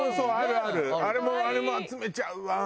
あれもあれも集めちゃうわ。